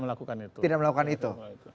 pkb tidak melakukan itu